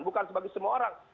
bukan sebagai semua orang